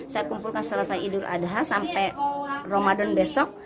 saya kumpulkan selesai idul adha sampai ramadan besok